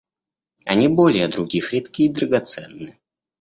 Они более других редки и драгоценны.